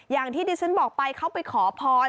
อย่างที่ดิฉันบอกไปเขาไปขอพร